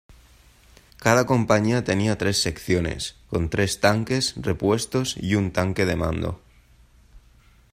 Cada compañía tenía tres secciones, con tres tanques, repuestos y un tanque de mando.